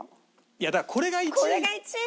だからこれが１位。